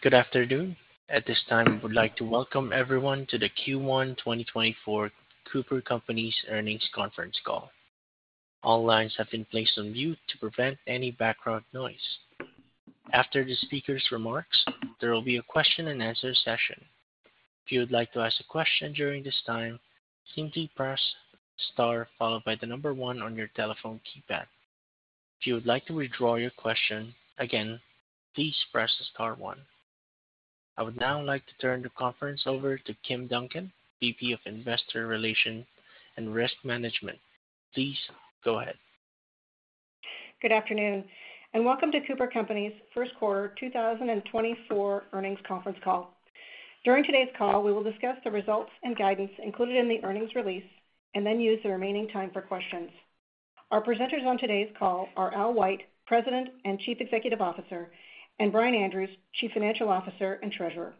Good afternoon. At this time, I would like to welcome everyone to the Q1 2024 Cooper Companies Earnings Conference call. All lines have been placed on mute to prevent any background noise. After the speaker's remarks, there will be a question-and-answer session. If you would like to ask a question during this time, simply press * followed by the number one on your telephone keypad. If you would like to withdraw your question, again, please press the * one. I would now like to turn the conference over to Kim Duncan, VP of Investor Relations and Risk Management. Please go ahead. Good afternoon and welcome to The Cooper Companies' first quarter 2024 earnings conference call. During today's call, we will discuss the results and guidance included in the earnings release and then use the remaining time for questions. Our presenters on today's call are Al White, President and Chief Executive Officer, and Brian Andrews, Chief Financial Officer and Treasurer.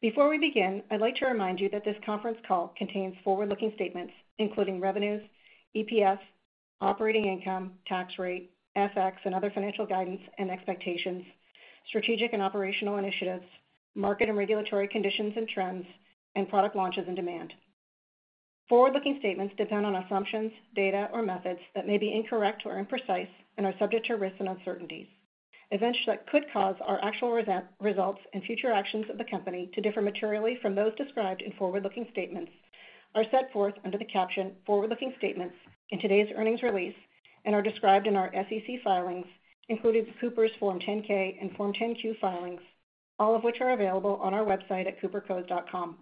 Before we begin, I'd like to remind you that this conference call contains forward-looking statements including revenues, EPS, operating income, tax rate, FX, and other financial guidance and expectations, strategic and operational initiatives, market and regulatory conditions and trends, and product launches and demand. Forward-looking statements depend on assumptions, data, or methods that may be incorrect or imprecise and are subject to risks and uncertainties. Events that could cause our actual results and future actions of the company to differ materially from those described in forward-looking statements are set forth under the caption "Forward-looking Statements" in today's earnings release and are described in our SEC filings including the Cooper's Form 10-K and Form 10-Q filings, all of which are available on our website at coopercos.com.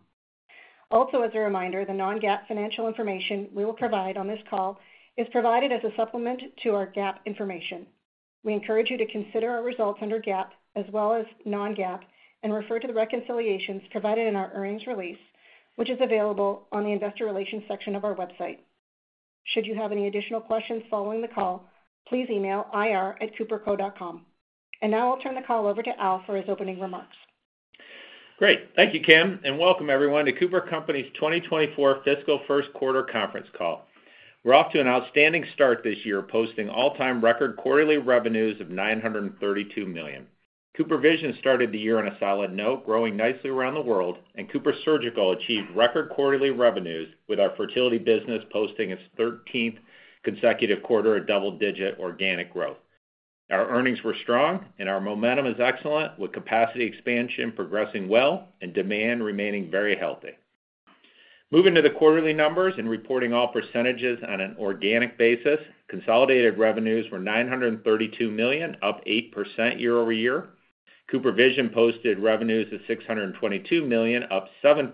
Also, as a reminder, the non-GAAP financial information we will provide on this call is provided as a supplement to our GAAP information. We encourage you to consider our results under GAAP as well as non-GAAP and refer to the reconciliations provided in our earnings release, which is available on the Investor Relations section of our website. Should you have any additional questions following the call, please email ir@coopercos.com. And now I'll turn the call over to Al for his opening remarks. Great. Thank you, Kim, and welcome everyone to The Cooper Companies' 2024 fiscal first quarter conference call. We're off to an outstanding start this year posting all-time record quarterly revenues of $932 million. CooperVision started the year on a solid note, growing nicely around the world, and CooperSurgical achieved record quarterly revenues with our fertility business posting its 13th consecutive quarter of double-digit organic growth. Our earnings were strong, and our momentum is excellent with capacity expansion progressing well and demand remaining very healthy. Moving to the quarterly numbers and reporting all percentages on an organic basis, consolidated revenues were $932 million, up 8% year-over-year. CooperVision posted revenues of $622 million, up 7%,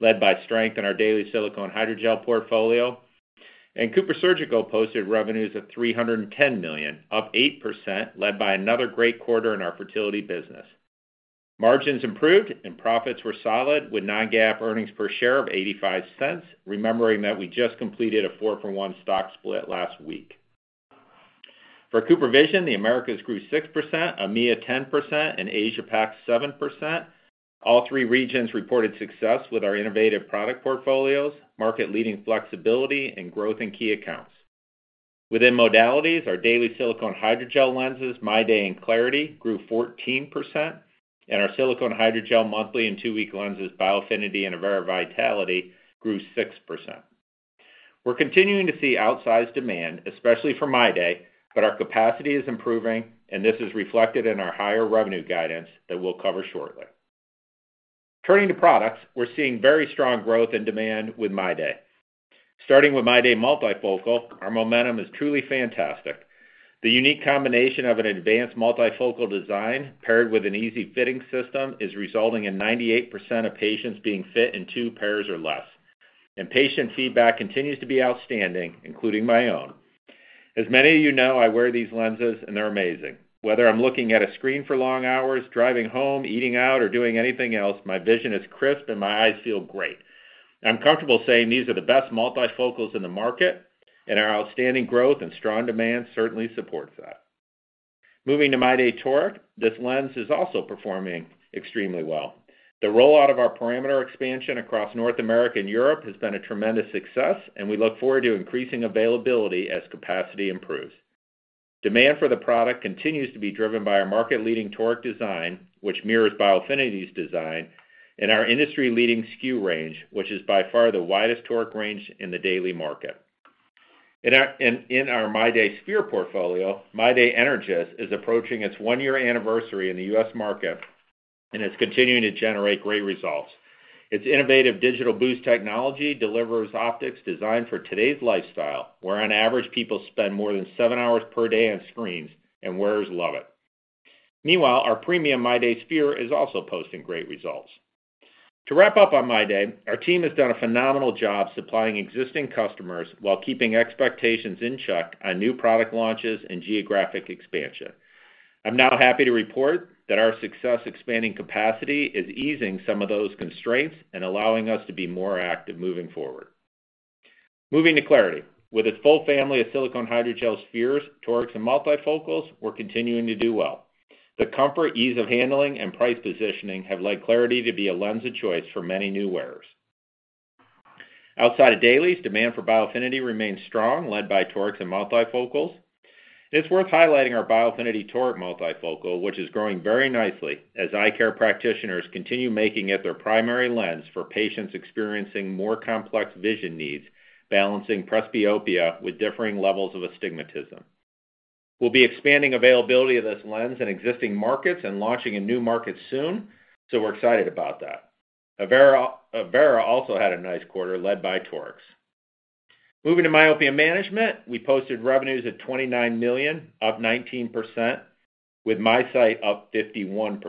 led by strength in our daily silicone hydrogel portfolio. CooperSurgical posted revenues of $310 million, up 8%, led by another great quarter in our fertility business. Margins improved, and profits were solid with Non-GAAP earnings per share of $0.85, remembering that we just completed a 4-for-1 stock split last week. For CooperVision, the Americas grew 6%, EMEA 10%, and Asia-Pac 7%. All three regions reported success with our innovative product portfolios, market-leading flexibility, and growth in key accounts. Within modalities, our daily silicone hydrogel lenses MyDay and clariti grew 14%, and our silicone hydrogel monthly and two-week lenses Biofinity and Avaira Vitality grew 6%. We're continuing to see outsized demand, especially for MyDay, but our capacity is improving, and this is reflected in our higher revenue guidance that we'll cover shortly. Turning to products, we're seeing very strong growth in demand with MyDay. Starting with MyDay Multifocal, our momentum is truly fantastic. The unique combination of an advanced multifocal design paired with an easy fitting system is resulting in 98% of patients being fit in two pairs or less, and patient feedback continues to be outstanding, including my own. As many of you know, I wear these lenses, and they're amazing. Whether I'm looking at a screen for long hours, driving home, eating out, or doing anything else, my vision is crisp, and my eyes feel great. I'm comfortable saying these are the best multifocals in the market, and our outstanding growth and strong demand certainly supports that. Moving to MyDay Toric, this lens is also performing extremely well. The rollout of our parameter expansion across North America and Europe has been a tremendous success, and we look forward to increasing availability as capacity improves. Demand for the product continues to be driven by our market-leading toric design, which mirrors Biofinity's design, and our industry-leading SKU range, which is by far the widest toric range in the daily market. In our MyDay Sphere portfolio, MyDay Energys is approaching its one-year anniversary in the U.S. market and is continuing to generate great results. Its innovative digital boost technology delivers optics designed for today's lifestyle, where on average people spend more than seven hours per day on screens and wearers love it. Meanwhile, our premium MyDay Sphere is also posting great results. To wrap up on MyDay, our team has done a phenomenal job supplying existing customers while keeping expectations in check on new product launches and geographic expansion. I'm now happy to report that our success expanding capacity is easing some of those constraints and allowing us to be more active moving forward. Moving to clariti. With its full family of silicone hydrogel spheres, torics, and multifocals, we're continuing to do well. The comfort, ease of handling, and price positioning have led clariti to be a lens of choice for many new wearers. Outside of dailies, demand for Biofinity remains strong, led by torics and multifocals. It's worth highlighting our Biofinity Toric Multifocal, which is growing very nicely as eye care practitioners continue making it their primary lens for patients experiencing more complex vision needs, balancing presbyopia with differing levels of astigmatism. We'll be expanding availability of this lens in existing markets and launching in new markets soon, so we're excited about that. Avaira also had a nice quarter, led by torics. Moving to myopia management, we posted revenues at $29 million, up 19%, with MiSight up 51%.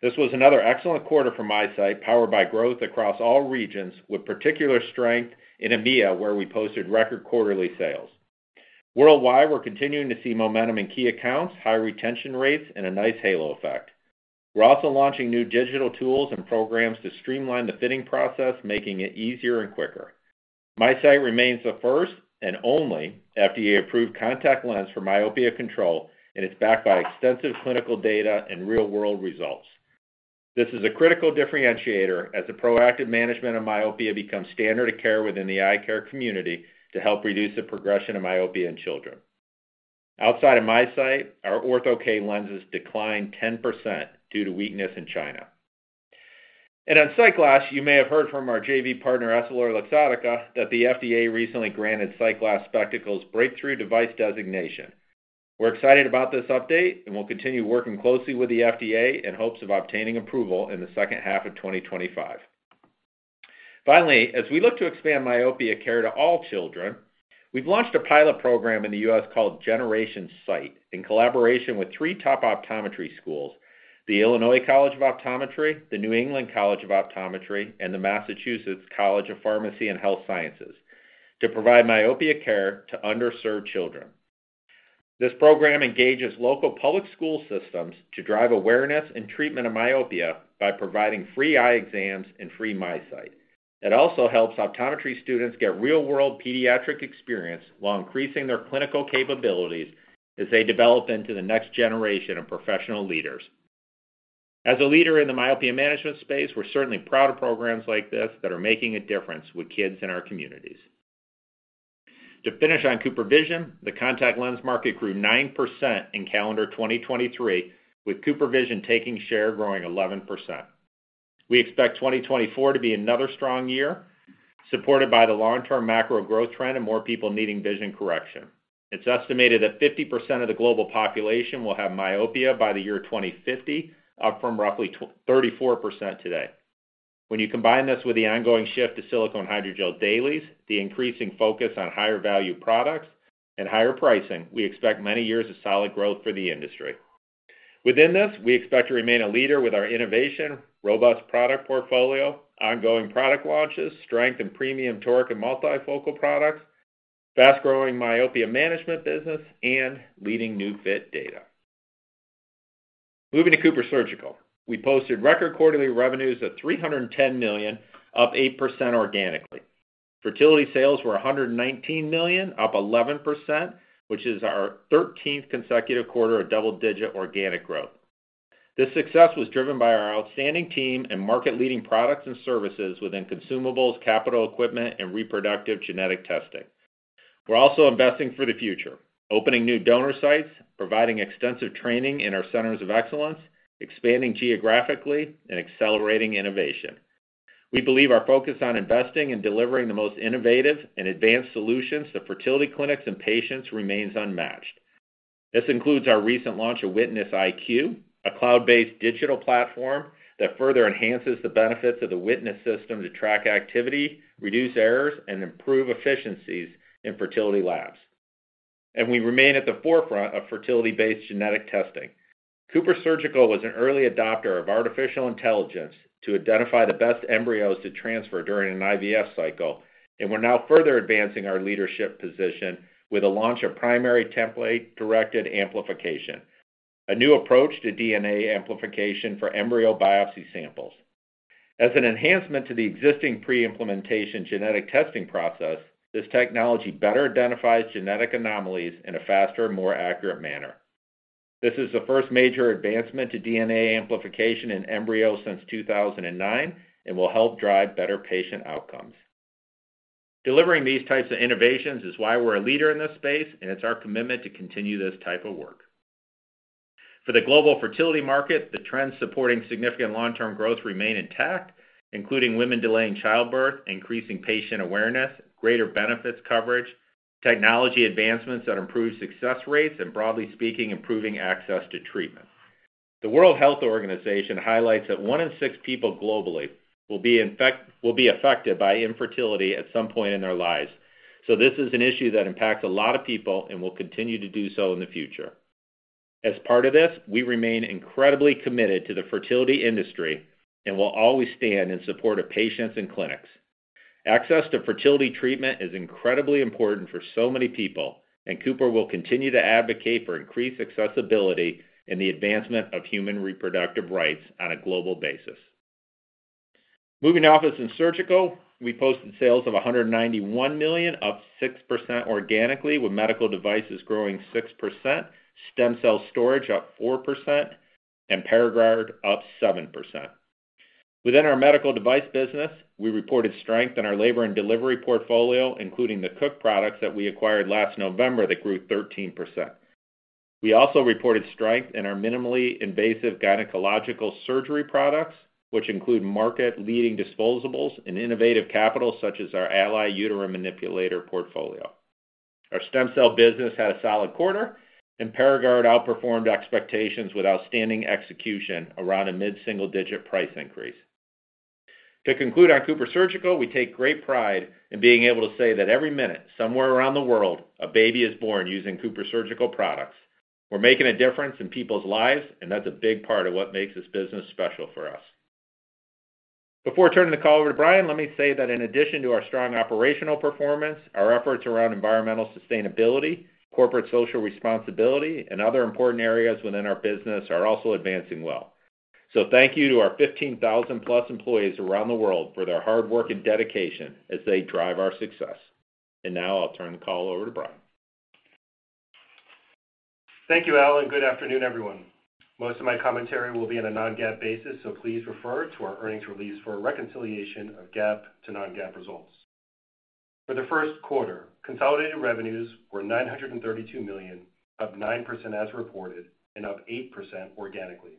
This was another excellent quarter for MiSight, powered by growth across all regions with particular strength in EMEA, where we posted record quarterly sales. Worldwide, we're continuing to see momentum in key accounts, high retention rates, and a nice halo effect. We're also launching new digital tools and programs to streamline the fitting process, making it easier and quicker. MiSight remains the first and only FDA-approved contact lens for myopia control, and it's backed by extensive clinical data and real-world results. This is a critical differentiator as the proactive management of myopia becomes standard of care within the eye care community to help reduce the progression of myopia in children. Outside of MiSight, our Ortho-K lenses declined 10% due to weakness in China. On SightGlass, you may have heard from our JV partner EssilorLuxottica that the FDA recently granted SightGlass Spectacles breakthrough device designation. We're excited about this update, and we'll continue working closely with the FDA in hopes of obtaining approval in the second half of 2025. Finally, as we look to expand myopia care to all children, we've launched a pilot program in the U.S. called Generation Sight in collaboration with three top optometry schools: the Illinois College of Optometry, the New England College of Optometry, and the Massachusetts College of Pharmacy and Health Sciences to provide myopia care to underserved children. This program engages local public school systems to drive awareness and treatment of myopia by providing free eye exams and free MiSight. It also helps optometry students get real-world pediatric experience while increasing their clinical capabilities as they develop into the next generation of professional leaders. As a leader in the myopia management space, we're certainly proud of programs like this that are making a difference with kids in our communities. To finish on CooperVision, the contact lens market grew 9% in calendar 2023, with CooperVision taking share, growing 11%. We expect 2024 to be another strong year, supported by the long-term macro growth trend and more people needing vision correction. It's estimated that 50% of the global population will have myopia by the year 2050, up from roughly 34% today. When you combine this with the ongoing shift to silicone hydrogel dailies, the increasing focus on higher-value products, and higher pricing, we expect many years of solid growth for the industry. Within this, we expect to remain a leader with our innovation, robust product portfolio, ongoing product launches, strength in premium toric and multifocal products, fast-growing myopia management business, and leading new fit data. Moving to CooperSurgical, we posted record quarterly revenues of $310 million, up 8% organically. Fertility sales were $119 million, up 11%, which is our 13th consecutive quarter of double-digit organic growth. This success was driven by our outstanding team and market-leading products and services within consumables, capital equipment, and reproductive genetic testing. We're also investing for the future, opening new donor sites, providing extensive training in our centers of excellence, expanding geographically, and accelerating innovation. We believe our focus on investing in delivering the most innovative and advanced solutions to fertility clinics and patients remains unmatched. This includes our recent launch of Witness IQ, a cloud-based digital platform that further enhances the benefits of the Witness system to track activity, reduce errors, and improve efficiencies in fertility labs. We remain at the forefront of fertility-based genetic testing. CooperSurgical was an early adopter of artificial intelligence to identify the best embryos to transfer during an IVF cycle, and we're now further advancing our leadership position with the launch of Primary Template-Directed Amplification, a new approach to DNA amplification for embryo biopsy samples. As an enhancement to the existing preimplantation genetic testing process, this technology better identifies genetic anomalies in a faster, more accurate manner. This is the first major advancement to DNA amplification in embryos since 2009 and will help drive better patient outcomes. Delivering these types of innovations is why we're a leader in this space, and it's our commitment to continue this type of work. For the global fertility market, the trends supporting significant long-term growth remain intact, including women delaying childbirth, increasing patient awareness, greater benefits coverage, technology advancements that improve success rates, and broadly speaking, improving access to treatment. The World Health Organization highlights that one in six people globally will be affected by infertility at some point in their lives, so this is an issue that impacts a lot of people and will continue to do so in the future. As part of this, we remain incredibly committed to the fertility industry and will always stand in support of patients and clinics. Access to fertility treatment is incredibly important for so many people, and Cooper will continue to advocate for increased accessibility and the advancement of human reproductive rights on a global basis. Moving to Office & Surgical, we posted sales of $191 million, up 6% organically, with medical devices growing 6%, stem cell storage up 4%, and Paragard up 7%. Within our medical device business, we reported strength in our labor and delivery portfolio, including the Cook products that we acquired last November that grew 13%. We also reported strength in our minimally invasive gynecological surgery products, which include market-leading disposables and innovative capital such as our Ally uterine manipulator portfolio. Our stem cell business had a solid quarter, and Paragard outperformed expectations with outstanding execution around a mid-single-digit price increase. To conclude on CooperSurgical, we take great pride in being able to say that every minute somewhere around the world a baby is born using CooperSurgical products. We're making a difference in people's lives, and that's a big part of what makes this business special for us. Before turning the call over to Brian, let me say that in addition to our strong operational performance, our efforts around environmental sustainability, corporate social responsibility, and other important areas within our business are also advancing well. Thank you to our 15,000+ employees around the world for their hard work and dedication as they drive our success. Now I'll turn the call over to Brian. Thank you, Al, and good afternoon, everyone. Most of my commentary will be on a Non-GAAP basis, so please refer to our earnings release for reconciliation of GAAP to Non-GAAP results. For the first quarter, consolidated revenues were $932 million, up 9% as reported, and up 8% organically.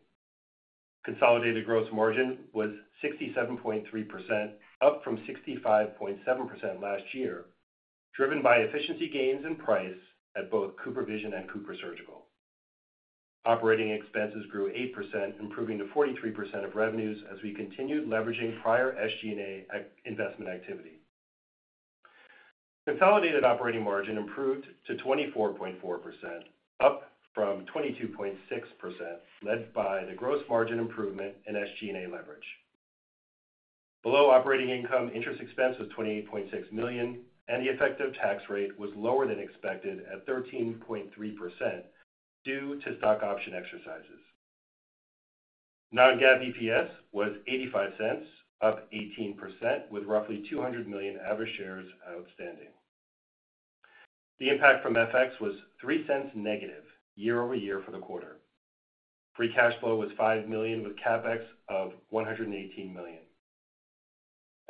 Consolidated gross margin was 67.3%, up from 65.7% last year, driven by efficiency gains in price at both CooperVision and CooperSurgical. Operating expenses grew 8%, improving to 43% of revenues as we continued leveraging prior SG&A investment activity. Consolidated operating margin improved to 24.4%, up from 22.6%, led by the gross margin improvement and SG&A leverage. Below operating income, interest expense was $28.6 million, and the effective tax rate was lower than expected at 13.3% due to stock option exercises. Non-GAAP EPS was $0.85, up 18%, with roughly 200 million average shares outstanding. The impact from FX was $0.03 negative year-over-year for the quarter. Free cash flow was $5 million, with CapEx of $118 million.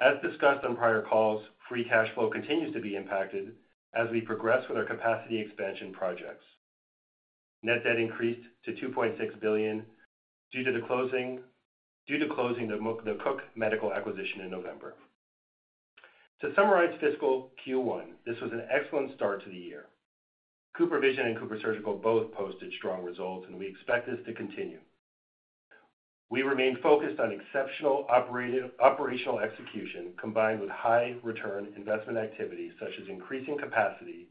As discussed on prior calls, free cash flow continues to be impacted as we progress with our capacity expansion projects. Net debt increased to $2.6 billion due to closing the Cook Medical acquisition in November. To summarize fiscal Q1, this was an excellent start to the year. CooperVision and CooperSurgical both posted strong results, and we expect this to continue. We remain focused on exceptional operational execution combined with high-return investment activity such as increasing capacity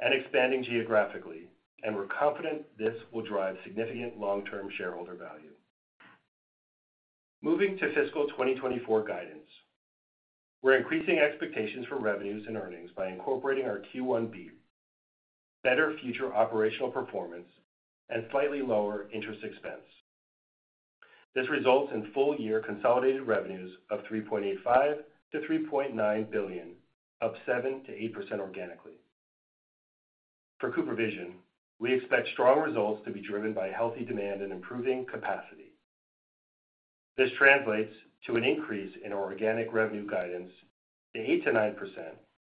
and expanding geographically, and we're confident this will drive significant long-term shareholder value. Moving to fiscal 2024 guidance, we're increasing expectations for revenues and earnings by incorporating our Q1 beat, better future operational performance, and slightly lower interest expense. This results in full-year consolidated revenues of $3.85-$3.9 billion, up 7%-8% organically. For CooperVision, we expect strong results to be driven by healthy demand and improving capacity. This translates to an increase in our organic revenue guidance to 8%-9%,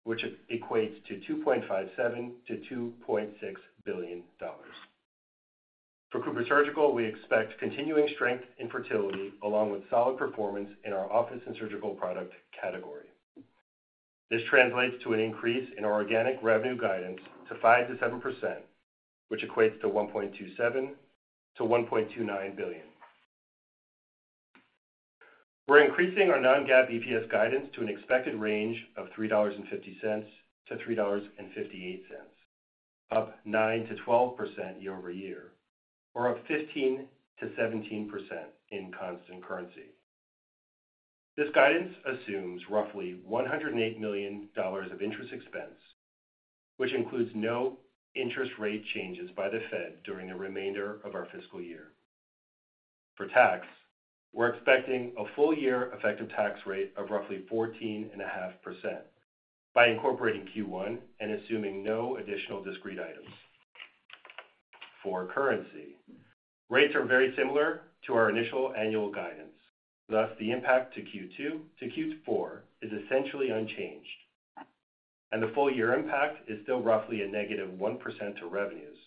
which equates to $2.57-$2.6 billion. For CooperSurgical, we expect continuing strength in fertility along with solid performance in our Office & Surgical product category. This translates to an increase in our organic revenue guidance to 5%-7%, which equates to $1.27-$1.29 billion. We're increasing our non-GAAP EPS guidance to an expected range of $3.50-$3.58, up 9%-12% year over year, or up 15%-17% in constant currency. This guidance assumes roughly $108 million of interest expense, which includes no interest rate changes by the Fed during the remainder of our fiscal year. For tax, we're expecting a full-year effective tax rate of roughly 14.5% by incorporating Q1 and assuming no additional discrete items. For currency, rates are very similar to our initial annual guidance. Thus, the impact to Q2 to Q4 is essentially unchanged, and the full-year impact is still roughly a -1% to revenues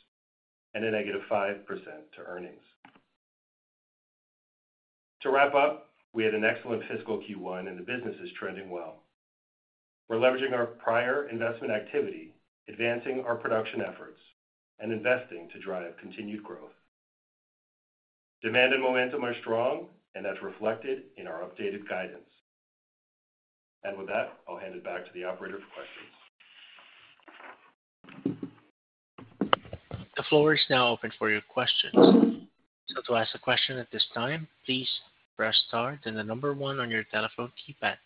and a -5% to earnings. To wrap up, we had an excellent fiscal Q1, and the business is trending well. We're leveraging our prior investment activity, advancing our production efforts, and investing to drive continued growth. Demand and momentum are strong, and that's reflected in our updated guidance. And with that, I'll hand it back to the operator for questions. The floor is now open for your questions. So to ask a question at this time, please press star and the number one on your telephone keypad.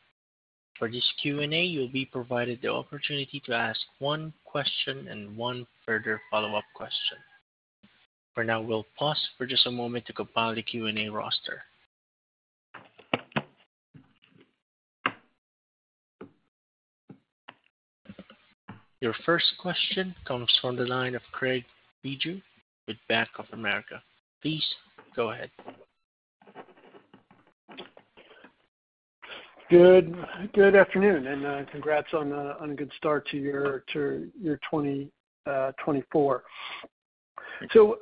For this Q&A, you'll be provided the opportunity to ask one question and one further follow-up question. For now, we'll pause for just a moment to compile the Q&A roster. Your first question comes from the line of Craig Bijou with Bank of America. Please go ahead. Good afternoon, and congrats on a good start to your 2024. So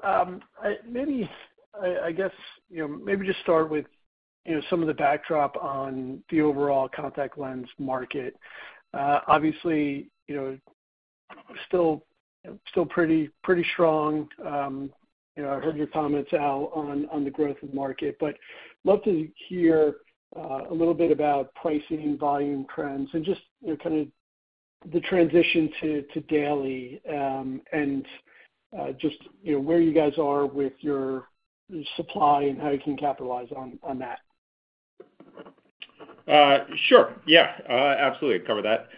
maybe I guess maybe just start with some of the backdrop on the overall contact lens market. Obviously, still pretty strong. I heard your comments, Al, on the growth of the market, but love to hear a little bit about pricing, volume trends, and just kind of the transition to daily and just where you guys are with your supply and how you can capitalize on that. Sure. Yeah, absolutely. Cover that.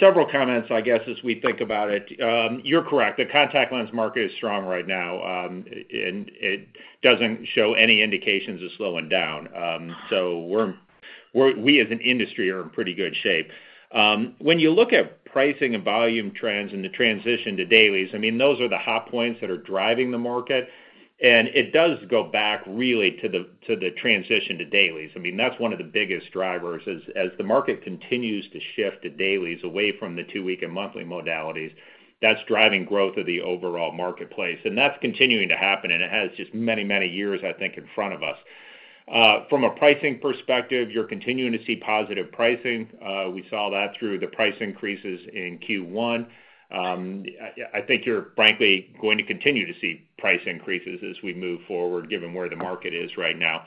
Several comments, I guess, as we think about it. You're correct. The contact lens market is strong right now, and it doesn't show any indications of slowing down. So we, as an industry, are in pretty good shape. When you look at pricing and volume trends and the transition to dailies, I mean, those are the hot points that are driving the market, and it does go back really to the transition to dailies. I mean, that's one of the biggest drivers. As the market continues to shift to dailies away from the two-week and monthly modalities, that's driving growth of the overall marketplace, and that's continuing to happen, and it has just many, many years, I think, in front of us. From a pricing perspective, you're continuing to see positive pricing. We saw that through the price increases in Q1. I think you're, frankly, going to continue to see price increases as we move forward given where the market is right now.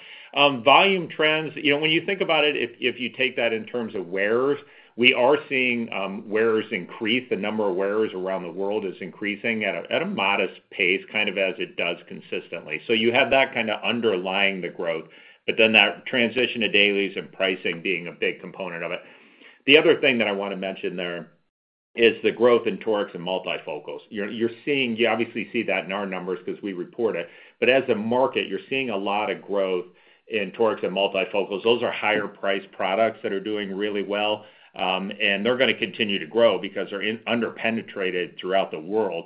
Volume trends, when you think about it, if you take that in terms of wearers, we are seeing wearers increase. The number of wearers around the world is increasing at a modest pace kind of as it does consistently. So you have that kind of underlying the growth, but then that transition to dailies and pricing being a big component of it. The other thing that I want to mention there is the growth in torics and multifocals. You obviously see that in our numbers because we report it, but as a market, you're seeing a lot of growth in torics and multifocals. Those are higher-priced products that are doing really well, and they're going to continue to grow because they're under-penetrated throughout the world.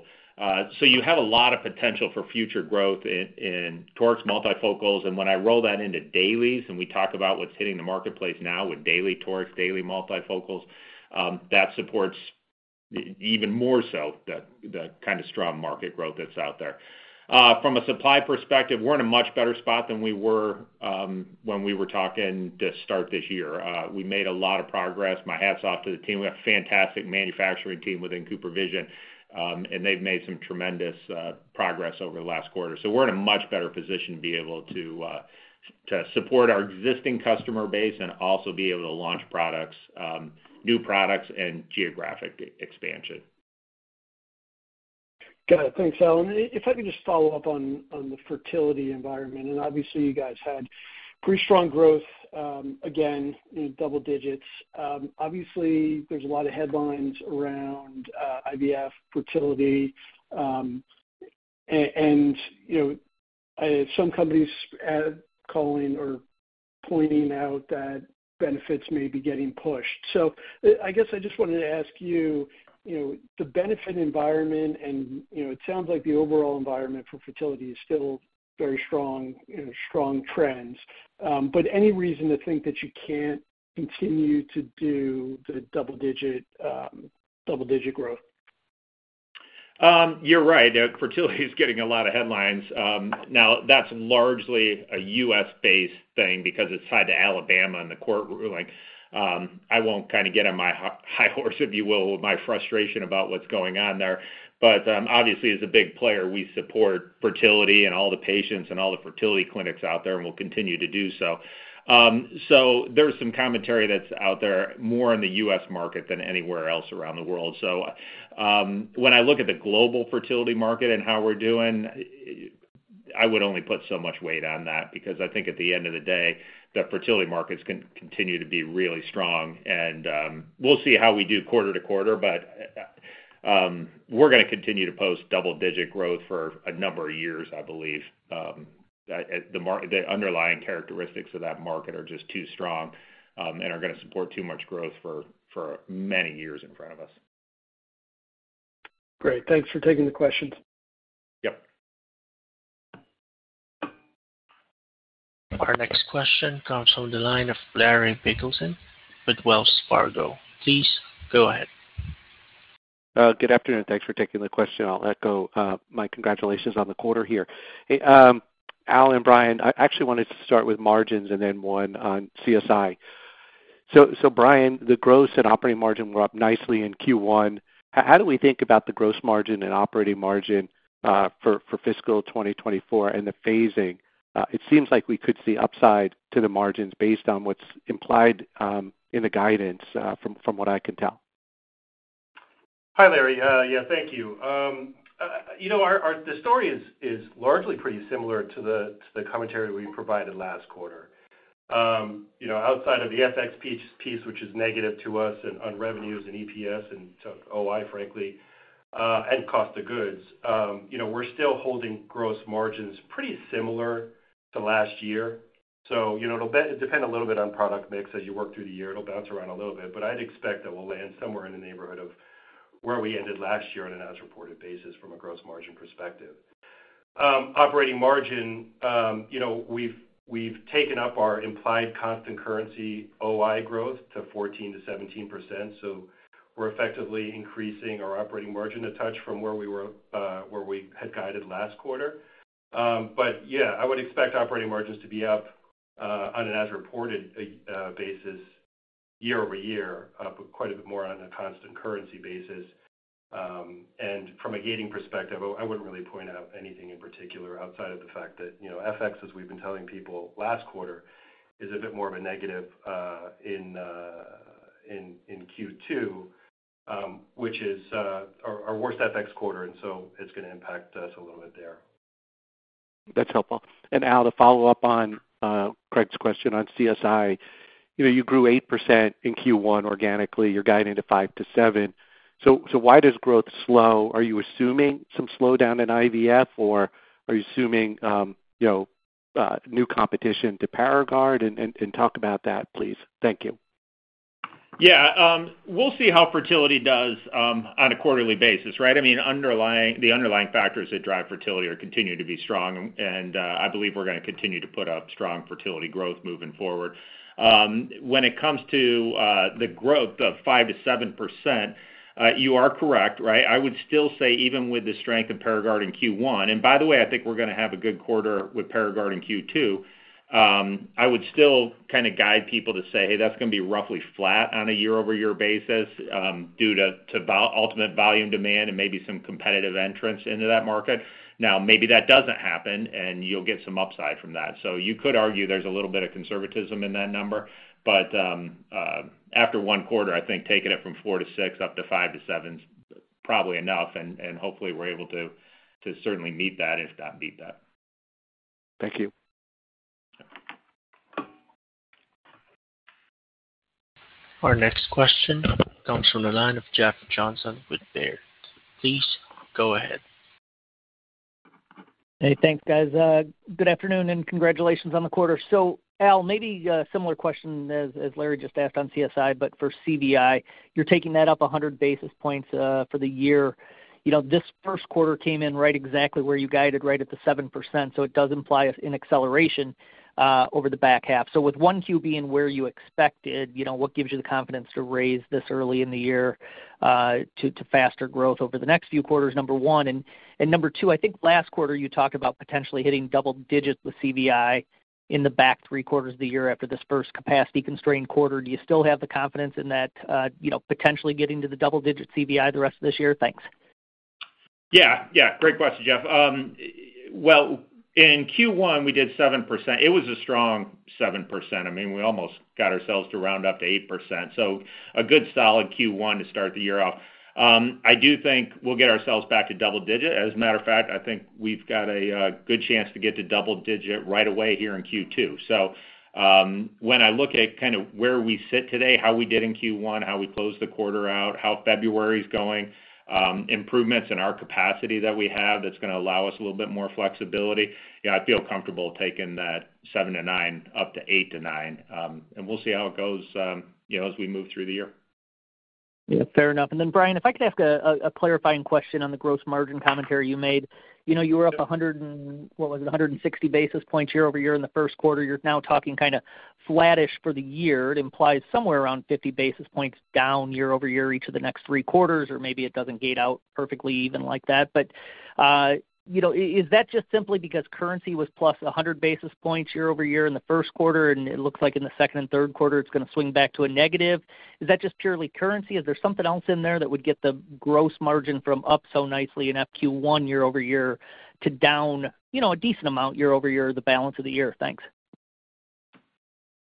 So you have a lot of potential for future growth in torics, multifocals, and when I roll that into dailies and we talk about what's hitting the marketplace now with daily torics, daily multifocals, that supports even more so the kind of strong market growth that's out there. From a supply perspective, we're in a much better spot than we were when we were talking to start this year. We made a lot of progress. My hat's off to the team. We have a fantastic manufacturing team within CooperVision, and they've made some tremendous progress over the last quarter. So we're in a much better position to be able to support our existing customer base and also be able to launch new products and geographic expansion. Got it. Thanks, Al. If I could just follow up on the fertility environment, and obviously, you guys had pretty strong growth, again, double digits. Obviously, there's a lot of headlines around IVF fertility, and some companies are calling or pointing out that benefits may be getting pushed. So I guess I just wanted to ask you, the benefit environment, and it sounds like the overall environment for fertility is still very strong, strong trends, but any reason to think that you can't continue to do the double-digit growth? You're right. Fertility is getting a lot of headlines. Now, that's largely a US-based thing because it's tied to Alabama and the court ruling. I won't kind of get on my high horse, if you will, with my frustration about what's going on there, but obviously, as a big player, we support fertility and all the patients and all the fertility clinics out there, and we'll continue to do so. So there's some commentary that's out there more in the US market than anywhere else around the world. So when I look at the global fertility market and how we're doing, I would only put so much weight on that because I think at the end of the day, the fertility markets can continue to be really strong, and we'll see how we do quarter to quarter, but we're going to continue to post double-digit growth for a number of years, I believe. The underlying characteristics of that market are just too strong and are going to support too much growth for many years in front of us. Great. Thanks for taking the questions. Yep. Our next question comes from the line of Larry Biegelsen with Wells Fargo. Please go ahead. Good afternoon. Thanks for taking the question. I'll echo my congratulations on the quarter here. Al and Brian, I actually wanted to start with margins and then one on CSI. So Brian, the growth and operating margin were up nicely in Q1. How do we think about the gross margin and operating margin for fiscal 2024 and the phasing? It seems like we could see upside to the margins based on what's implied in the guidance, from what I can tell. Hi, Larry. Yeah, thank you. The story is largely pretty similar to the commentary we provided last quarter. Outside of the FX piece, which is negative to us on revenues and EPS and OI, frankly, and cost of goods, we're still holding gross margins pretty similar to last year. So it'll depend a little bit on product mix. As you work through the year, it'll bounce around a little bit, but I'd expect that we'll land somewhere in the neighborhood of where we ended last year on an as-reported basis from a gross margin perspective. Operating margin, we've taken up our implied constant currency OI growth to 14%-17%, so we're effectively increasing our operating margin a touch from where we had guided last quarter. But yeah, I would expect operating margins to be up on an as-reported basis year-over-year, up quite a bit more on a constant currency basis. And from a gating perspective, I wouldn't really point out anything in particular outside of the fact that FX, as we've been telling people last quarter, is a bit more of a negative in Q2, which is our worst FX quarter, and so it's going to impact us a little bit there. That's helpful. And Al, to follow up on Craig's question on CSI, you grew 8% in Q1 organically. You're guiding to 5%-7%. So why does growth slow? Are you assuming some slowdown in IVF, or are you assuming new competition to Paragard? And talk about that, please. Thank you. Yeah. We'll see how fertility does on a quarterly basis, right? I mean, the underlying factors that drive fertility are continuing to be strong, and I believe we're going to continue to put up strong fertility growth moving forward. When it comes to the growth of 5%-7%, you are correct, right? I would still say even with the strength of Paragard in Q1 and by the way, I think we're going to have a good quarter with Paragard in Q2. I would still kind of guide people to say, "Hey, that's going to be roughly flat on a year-over-year basis due to ultimate volume demand and maybe some competitive entrance into that market." Now, maybe that doesn't happen, and you'll get some upside from that. So you could argue there's a little bit of conservatism in that number, but after one quarter, I think taking it from 4-6 up to 5-7 is probably enough, and hopefully, we're able to certainly meet that, if not beat that. Thank you. Our next question comes from the line of Jeff Johnson with Baird. Please go ahead. Hey, thanks, guys. Good afternoon and congratulations on the quarter. So Al, maybe a similar question as Larry just asked on CSI, but for CVI, you're taking that up 100 basis points for the year. This first quarter came in right exactly where you guided, right at the 7%, so it does imply an acceleration over the back half. So with one quarter in where you expected, what gives you the confidence to raise this early in the year to faster growth over the next few quarters, number one? And number two, I think last quarter, you talked about potentially hitting double digits with CVI in the back three quarters of the year after this first capacity-constrained quarter. Do you still have the confidence in that potentially getting to the double-digit CVI the rest of this year? Thanks. Yeah. Yeah. Great question, Jeff. Well, in Q1, we did 7%. It was a strong 7%. I mean, we almost got ourselves to round up to 8%, so a good solid Q1 to start the year off. I do think we'll get ourselves back to double digit. As a matter of fact, I think we've got a good chance to get to double digit right away here in Q2. So when I look at kind of where we sit today, how we did in Q1, how we closed the quarter out, how February is going, improvements in our capacity that we have that's going to allow us a little bit more flexibility, yeah, I feel comfortable taking that 7%-9% up to 8%-9%, and we'll see how it goes as we move through the year. Yeah, fair enough. And then Brian, if I could ask a clarifying question on the gross margin commentary you made, you were up 100 and what was it? 160 basis points year-over-year in the first quarter. You're now talking kind of flattish for the year. It implies somewhere around 50 basis points down year-over-year each of the next three quarters, or maybe it doesn't gate out perfectly even like that. But is that just simply because currency was plus 100 basis points year-over-year in the first quarter, and it looks like in the second and third quarter, it's going to swing back to a negative? Is that just purely currency? Is there something else in there that would get the gross margin from up so nicely enough Q1 year-over-year to down a decent amount year-over-year the balance of the year? Thanks.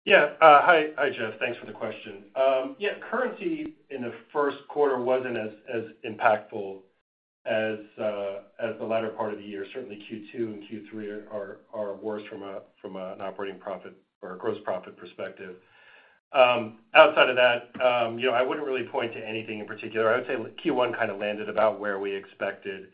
Yeah. Hi, Jeff. Thanks for the question. Yeah, currency in the first quarter wasn't as impactful as the latter part of the year. Certainly, Q2 and Q3 are worse from an operating profit or a gross profit perspective. Outside of that, I wouldn't really point to anything in particular. I would say Q1 kind of landed about where we expected.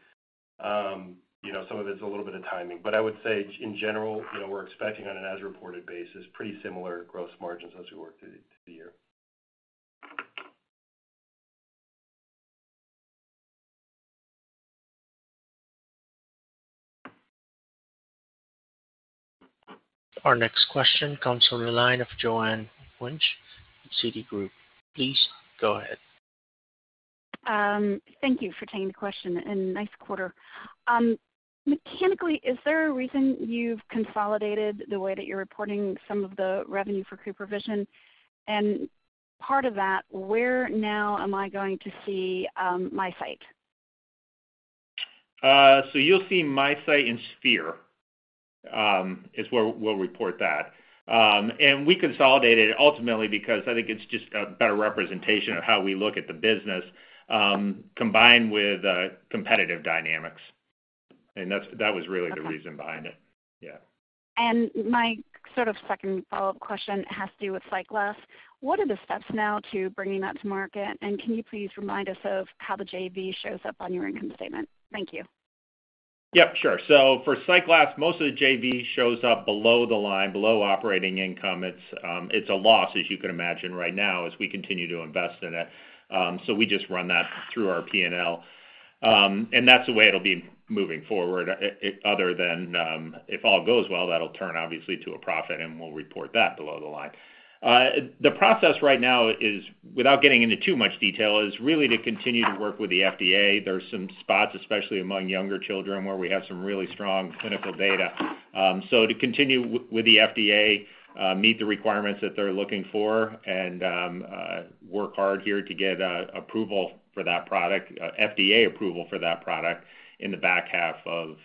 Some of it's a little bit of timing, but I would say, in general, we're expecting on an as-reported basis pretty similar gross margins as we work through the year. Our next question comes from the line of Joanne Wuensch at Citigroup. Please go ahead. Thank you for taking the question and nice quarter. Mechanically, is there a reason you've consolidated the way that you're reporting some of the revenue for CooperVision? And part of that, where now am I going to see MiSight? So you'll see MiSight in sphere is where we'll report that. And we consolidated it ultimately because I think it's just a better representation of how we look at the business combined with competitive dynamics. And that was really the reason behind it. Yeah. And my sort of second follow-up question has to do with SightGlass. What are the steps now to bringing that to market? And can you please remind us of how the JV shows up on your income statement? Thank you. Yep, sure. So for SightGlass, most of the JV shows up below the line, below operating income. It's a loss, as you can imagine, right now as we continue to invest in it. So we just run that through our P&L. And that's the way it'll be moving forward other than if all goes well, that'll turn, obviously, to a profit, and we'll report that below the line. The process right now is, without getting into too much detail, is really to continue to work with the FDA. There's some spots, especially among younger children, where we have some really strong clinical data. So to continue with the FDA, meet the requirements that they're looking for, and work hard here to get approval for that product, FDA approval for that product in the back half of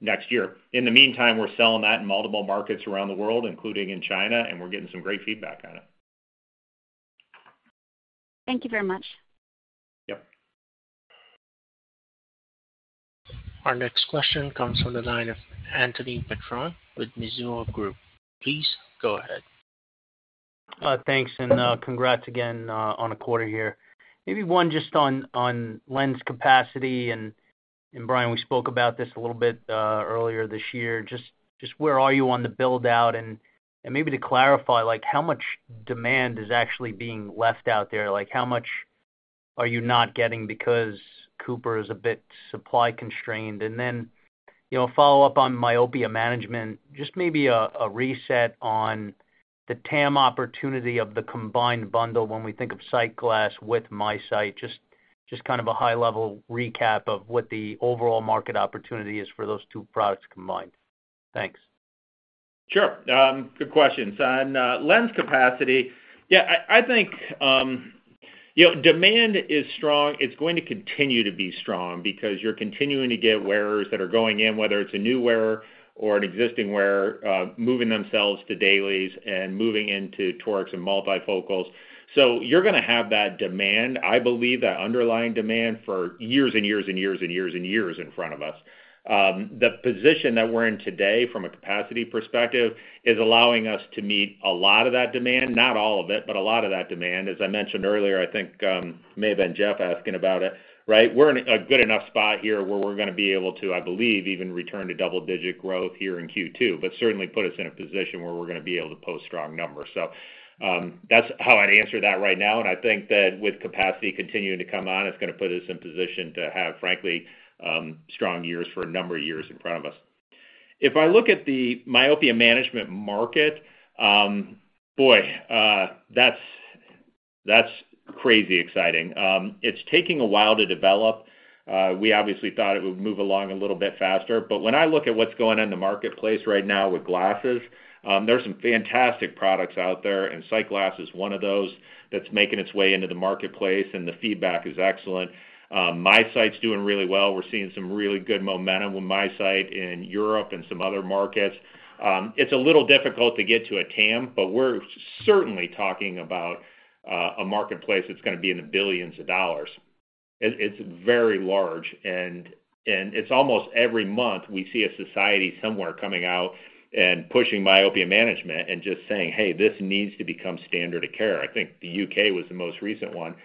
next year. In the meantime, we're selling that in multiple markets around the world, including in China, and we're getting some great feedback on it. Thank you very much. Yep. Our next question comes from the line of Anthony Petrone with Mizuho. Please go ahead. Thanks, and congrats again on a quarter here. Maybe one just on lens capacity. Brian, we spoke about this a little bit earlier this year. Just where are you on the build-out? Maybe to clarify, how much demand is actually being left out there? How much are you not getting because Cooper is a bit supply-constrained? Then a follow-up on myopia management, just maybe a reset on the TAM opportunity of the combined bundle when we think of SightGlass with MiSight, just kind of a high-level recap of what the overall market opportunity is for those two products combined. Thanks. Sure. Good questions. On lens capacity, yeah, I think demand is strong. It's going to continue to be strong because you're continuing to get wearers that are going in, whether it's a new wearer or an existing wearer, moving themselves to dailies and moving into torics and multifocals. So you're going to have that demand, I believe that underlying demand, for years and years and years and years and years in front of us. The position that we're in today from a capacity perspective is allowing us to meet a lot of that demand, not all of it, but a lot of that demand. As I mentioned earlier, I think may have been Jeff asking about it, right? We're in a good enough spot here where we're going to be able to, I believe, even return to double-digit growth here in Q2, but certainly put us in a position where we're going to be able to post strong numbers. So that's how I'd answer that right now. I think that with capacity continuing to come on, it's going to put us in position to have, frankly, strong years for a number of years in front of us. If I look at the myopia management market, boy, that's crazy exciting. It's taking a while to develop. We obviously thought it would move along a little bit faster. But when I look at what's going on in the marketplace right now with glasses, there are some fantastic products out there, and SightGlass is one of those that's making its way into the marketplace, and the feedback is excellent. MiSight's doing really well. We're seeing some really good momentum with MiSight in Europe and some other markets. It's a little difficult to get to a TAM, but we're certainly talking about a marketplace that's going to be in the $ billions. It's very large, and it's almost every month we see a society somewhere coming out and pushing myopia management and just saying, "Hey, this needs to become standard of care." I think the U.K. was the most recent one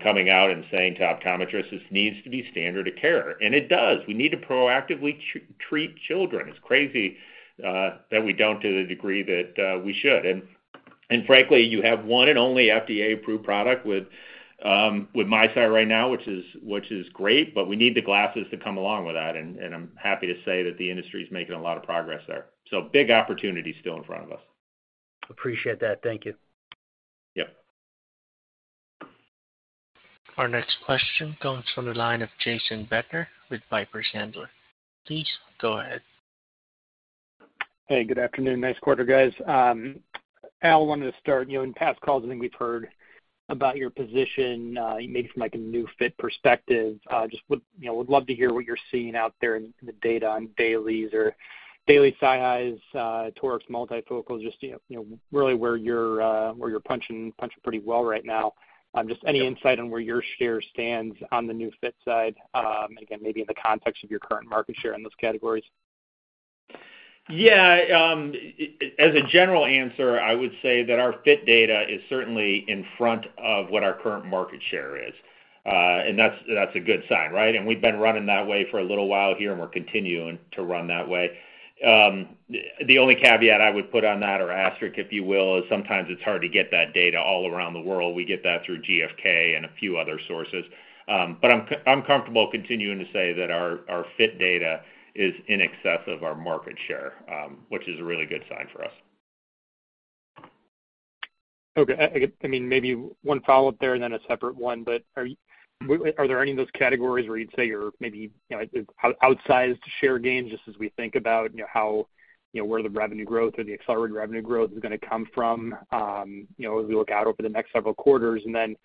coming out and saying to optometrists, "This needs to be standard of care." And it does. We need to proactively treat children. It's crazy that we don't to the degree that we should. And frankly, you have one and only FDA-approved product with MiSight right now, which is great, but we need the glasses to come along with that. I'm happy to say that the industry is making a lot of progress there. Big opportunity still in front of us. Appreciate that. Thank you. Yep. Our next question comes from the line of Jason Bednar with Piper Sandler. Please go ahead. Hey, good afternoon. Nice quarter, guys. Al, I wanted to start. In past calls, I think we've heard about your position, maybe from a new fit perspective. Just would love to hear what you're seeing out there in the data on dailies or daily SiHy's, torics, multifocals, just really where you're punching pretty well right now. Just any insight on where your share stands on the new fit side, and again, maybe in the context of your current market share in those categories. Yeah. As a general answer, I would say that our fit data is certainly in front of what our current market share is. That's a good sign, right? We've been running that way for a little while here, and we're continuing to run that way. The only caveat I would put on that, or asterisk, if you will, is sometimes it's hard to get that data all around the world. We get that through GfK and a few other sources. But I'm comfortable continuing to say that our fit data is in excess of our market share, which is a really good sign for us. Okay. I mean, maybe one follow-up there and then a separate one. But are there any of those categories where you'd say you're maybe outsized share gains just as we think about where the revenue growth or the accelerated revenue growth is going to come from as we look out over the next several quarters? And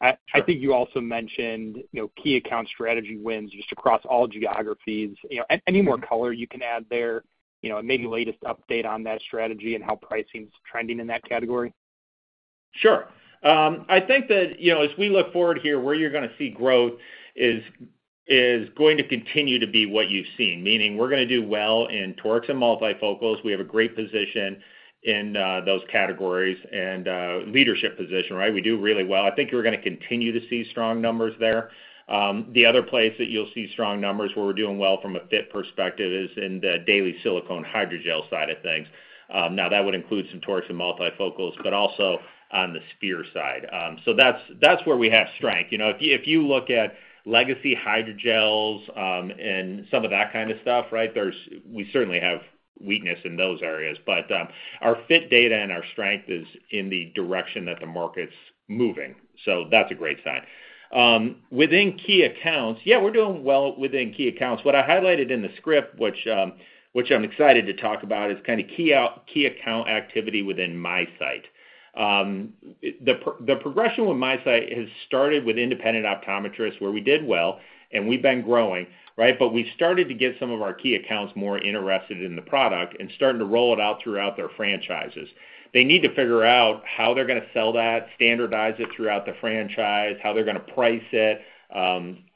then I think you also mentioned key account strategy wins just across all geographies. Any more color you can add there, maybe latest update on that strategy and how pricing's trending in that category? Sure. I think that as we look forward here, where you're going to see growth is going to continue to be what you've seen, meaning we're going to do well in torics and multifocals. We have a great position in those categories and leadership position, right? We do really well. I think you're going to continue to see strong numbers there. The other place that you'll see strong numbers, where we're doing well from a fit perspective, is in the daily silicone hydrogel side of things. Now, that would include some torics and multifocals, but also on the Sphere side. So that's where we have strength. If you look at legacy hydrogels and some of that kind of stuff, right, we certainly have weakness in those areas. But our fit data and our strength is in the direction that the market's moving. So that's a great sign. Within key accounts, yeah, we're doing well within key accounts. What I highlighted in the script, which I'm excited to talk about, is kind of key account activity within MiSight. The progression with MiSight has started with independent optometrists, where we did well, and we've been growing, right? But we've started to get some of our key accounts more interested in the product and starting to roll it out throughout their franchises. They need to figure out how they're going to sell that, standardize it throughout the franchise, how they're going to price it,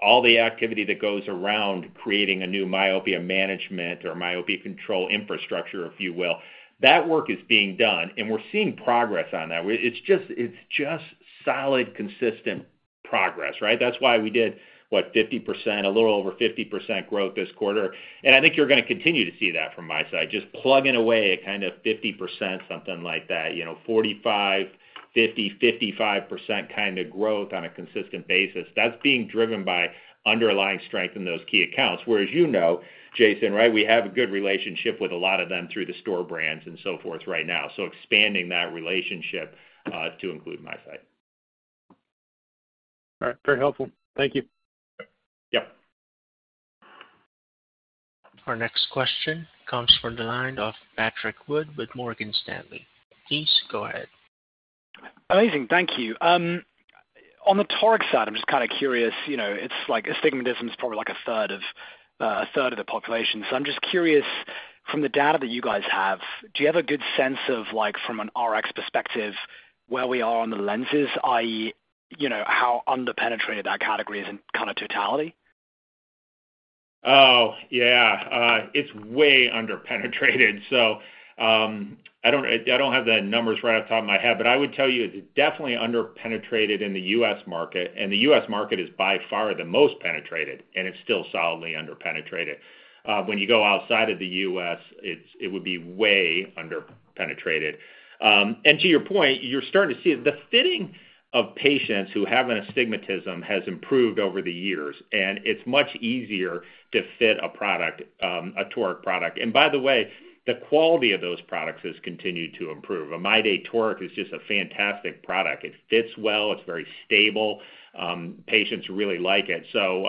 all the activity that goes around creating a new myopia management or myopia control infrastructure, if you will. That work is being done, and we're seeing progress on that. It's just solid, consistent progress, right? That's why we did, what, 50%, a little over 50% growth this quarter. I think you're going to continue to see that from MiSight, just plugging away at kind of 50%, something like that, 45, 50, 55% kind of growth on a consistent basis. That's being driven by underlying strength in those key accounts. Whereas, you know, Jason, right, we have a good relationship with a lot of them through the store brands and so forth right now. So expanding that relationship to include MiSight. All right. Very helpful. Thank you. Yep. Our next question comes from the line of Patrick Wood with Morgan Stanley. Please go ahead. Amazing. Thank you. On the toric side, I'm just kind of curious. It's like astigmatism's probably like a third of the population. So I'm just curious, from the data that you guys have, do you have a good sense of, from an Rx perspective, where we are on the lenses, i.e., how underpenetrated that category is in kind of totality? Oh, yeah. It's way underpenetrated. So I don't have the numbers right off the top of my head, but I would tell you it's definitely underpenetrated in the U.S. market. And the U.S. market is by far the most penetrated, and it's still solidly underpenetrated. When you go outside of the U.S., it would be way underpenetrated. And to your point, you're starting to see the fitting of patients who have an astigmatism has improved over the years, and it's much easier to fit a product, a toric product. And by the way, the quality of those products has continued to improve. A MyDay Toric is just a fantastic product. It fits well. It's very stable. Patients really like it. So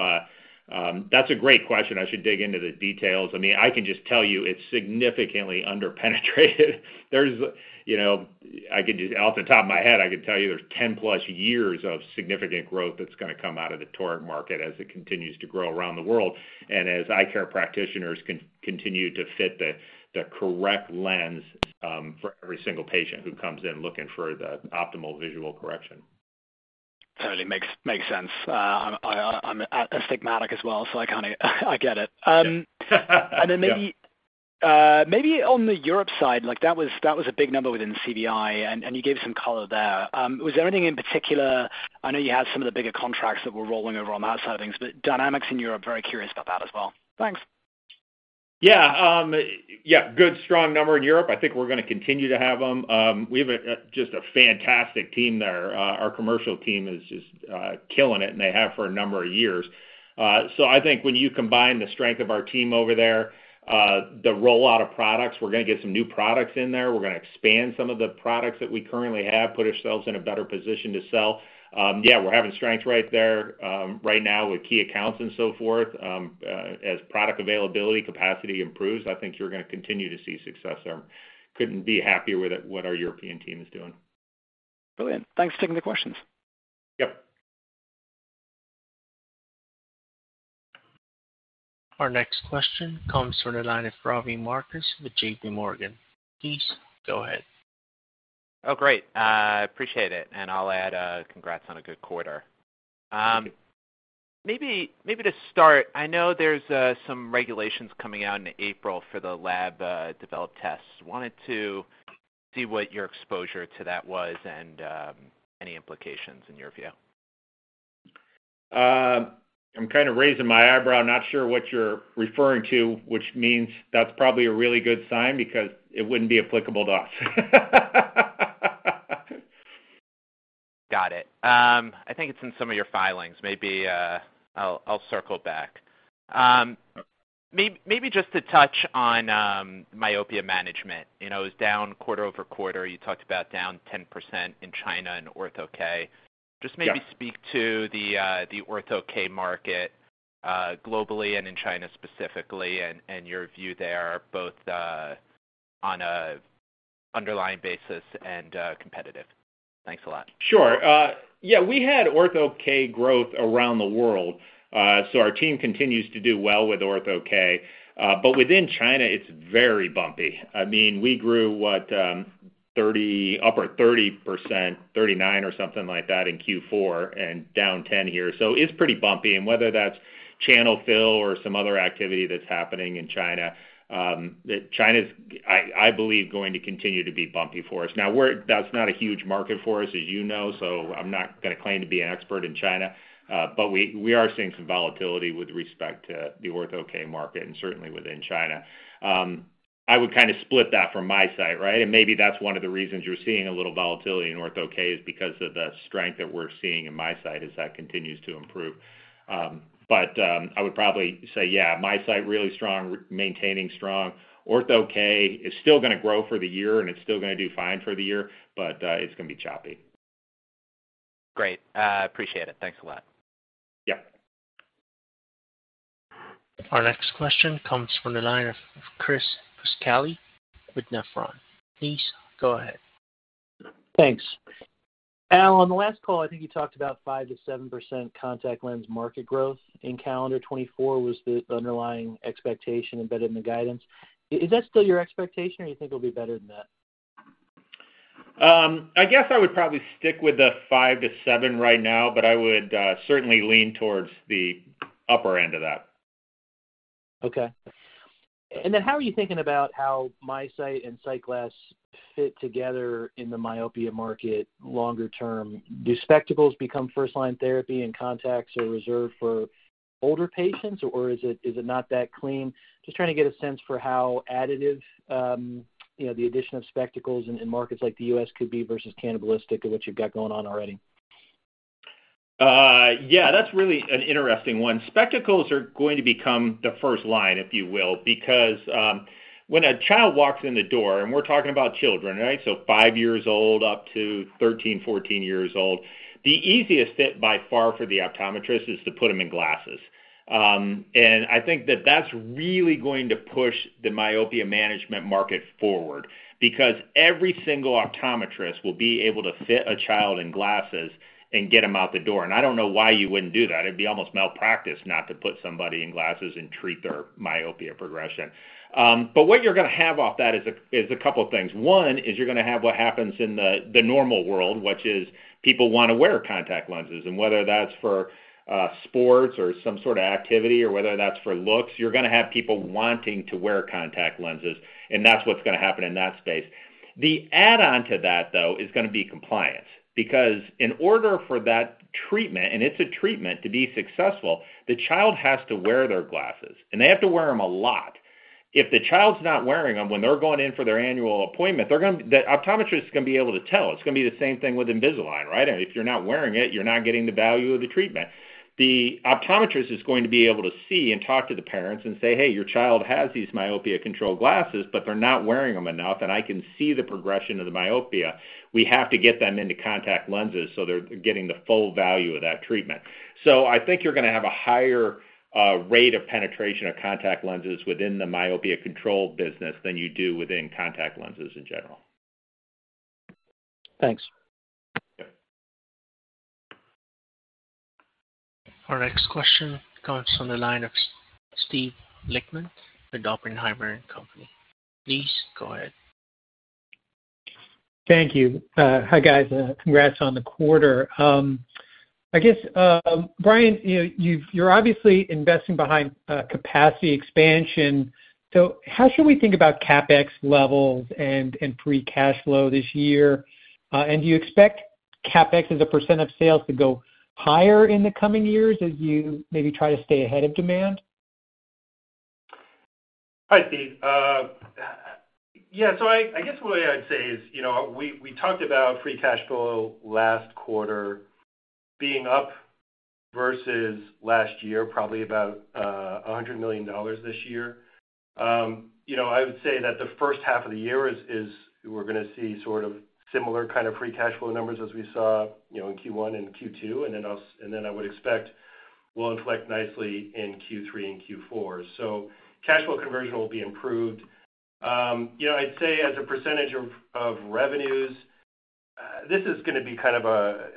that's a great question. I should dig into the details. I mean, I can just tell you it's significantly underpenetrated. I could just, off the top of my head, I could tell you there's 10+ years of significant growth that's going to come out of the toric market as it continues to grow around the world and as eye care practitioners continue to fit the correct lens. For every single patient who comes in looking for the optimal visual correction. Totally makes sense. I'm astigmatic as well, so I get it. Then maybe on the Europe side, that was a big number within CVI, and you gave some color there. Was there anything in particular? I know you had some of the bigger contracts that were rolling over on the outside of things, but dynamics in Europe, very curious about that as well. Thanks. Yeah. Yeah. Good, strong number in Europe. I think we're going to continue to have them. We have just a fantastic team there. Our commercial team is just killing it, and they have for a number of years. So I think when you combine the strength of our team over there, the rollout of products, we're going to get some new products in there. We're going to expand some of the products that we currently have, put ourselves in a better position to sell. Yeah, we're having strengths right now with key accounts and so forth. As product availability, capacity improves, I think you're going to continue to see success there. Couldn't be happier with what our European team is doing. Brilliant. Thanks for taking the questions. Yep. Our next question comes from the line of Robbie Marcus with JPMorgan. Please go ahead. Oh, great. Appreciate it. I'll add congrats on a good quarter. Maybe to start, I know there's some regulations coming out in April for the lab-developed tests. Wanted to see what your exposure to that was and any implications in your view? I'm kind of raising my eyebrow. Not sure what you're referring to, which means that's probably a really good sign because it wouldn't be applicable to us. Got it. I think it's in some of your filings. Maybe I'll circle back. Maybe just to touch on myopia management. It was down quarter-over-quarter. You talked about down 10% in China and Ortho-K. Just maybe speak to the Ortho-K market globally and in China specifically and your view there, both on an underlying basis and competitive. Thanks a lot. Sure. Yeah. We had Ortho-K growth around the world, so our team continues to do well with Ortho-K. But within China, it's very bumpy. I mean, we grew, what, upper 30%, 39% or something like that in Q4 and down 10% here. So it's pretty bumpy. And whether that's channel fill or some other activity that's happening in China, China's, I believe, going to continue to be bumpy for us. Now, that's not a huge market for us, as you know, so I'm not going to claim to be an expert in China. But we are seeing some volatility with respect to the Ortho-K market and certainly within China. I would kind of split that from MiSight, right? And maybe that's one of the reasons you're seeing a little volatility in Ortho-K is because of the strength that we're seeing in MiSight, as that continues to improve. But I would probably say, yeah, MiSight really strong, maintaining strong. Ortho-K is still going to grow for the year, and it's still going to do fine for the year, but it's going to be choppy. Great. Appreciate it. Thanks a lot. Yep. Our next question comes from the line of Christopher Pasquale with Nephron. Please go ahead. Thanks. Al, on the last call, I think you talked about 5%-7% contact lens market growth in calendar 2024 was the underlying expectation embedded in the guidance. Is that still your expectation, or do you think it'll be better than that? I guess I would probably stick with the 5-7 right now, but I would certainly lean towards the upper end of that. Okay. And then how are you thinking about how MiSight and SightGlass fit together in the myopia market longer term? Do spectacles become first-line therapy, and contacts are reserved for older patients, or is it not that clean? Just trying to get a sense for how additive the addition of spectacles in markets like the U.S. could be versus cannibalistic of what you've got going on already. Yeah. That's really an interesting one. Spectacles are going to become the first line, if you will, because when a child walks in the door, and we're talking about children, right, so five years old up to 13, 14 years old, the easiest fit by far for the optometrist is to put them in glasses. And I think that that's really going to push the myopia management market forward because every single optometrist will be able to fit a child in glasses and get them out the door. And I don't know why you wouldn't do that. It'd be almost malpractice not to put somebody in glasses and treat their myopia progression. But what you're going to have off that is a couple of things. One is you're going to have what happens in the normal world, which is people want to wear contact lenses. And whether that's for sports or some sort of activity or whether that's for looks, you're going to have people wanting to wear contact lenses, and that's what's going to happen in that space. The add-on to that, though, is going to be compliance because in order for that treatment, and it's a treatment, to be successful, the child has to wear their glasses, and they have to wear them a lot. If the child's not wearing them, when they're going in for their annual appointment, the optometrist's going to be able to tell. It's going to be the same thing with Invisalign, right? If you're not wearing it, you're not getting the value of the treatment. The optometrist is going to be able to see and talk to the parents and say, "Hey, your child has these myopia control glasses, but they're not wearing them enough, and I can see the progression of the myopia. We have to get them into contact lenses so they're getting the full value of that treatment." So I think you're going to have a higher rate of penetration of contact lenses within the myopia control business than you do within contact lenses in general. Thanks. Yep. Our next question comes from the line of Steve Lichtman with Oppenheimer & Company. Please go ahead. Thank you. Hi, guys. Congrats on the quarter. I guess, Brian, you're obviously investing behind capacity expansion. So how should we think about CapEx levels and free cash flow this year? And do you expect CapEx as a % of sales to go higher in the coming years as you maybe try to stay ahead of demand? Hi, Steve. Yeah. So I guess what I'd say is we talked about free cash flow last quarter being up versus last year, probably about $100 million this year. I would say that the first half of the year, we're going to see sort of similar kind of free cash flow numbers as we saw in Q1 and Q2, and then I would expect we'll inflect nicely in Q3 and Q4. So cash flow conversion will be improved. I'd say as a percentage of revenues, this is going to be kind of a